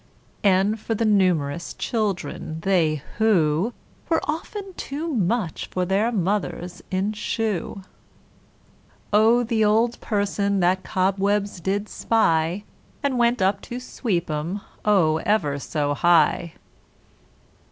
N for the Numerous children they who Were often too much for their mother in Shoe. O the Old person that cobwebs did spy, And went up to sweep 'em Oh ever so high!